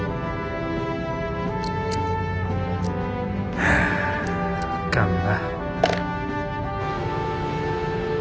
はああかんな。